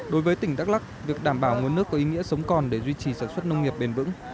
đối với tỉnh đắk lắc việc đảm bảo nguồn nước có ý nghĩa sống còn để duy trì sản xuất nông nghiệp bền vững